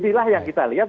nah inilah yang kita lihat